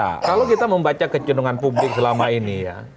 nah kalau kita membaca kecenderungan publik selama ini ya